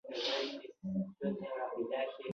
پلار نیکه غوره کړی و